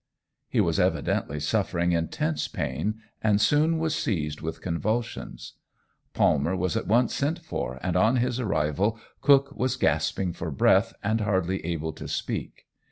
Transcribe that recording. He was evidently suffering intense pain, and soon was seized with convulsions. Palmer was at once sent for, and on his arrival Cook was gasping for breath, and hardly able to speak.